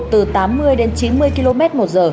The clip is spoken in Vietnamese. từ tám mươi đến chín mươi km một giờ